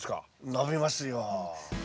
伸びますよ。